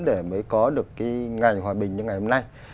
để mới có được cái ngày hòa bình như ngày hôm nay